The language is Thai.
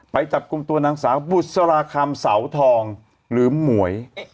ไปจับกลุ่มตัวนางสาวบุษราคำเสาทองหรือหมวย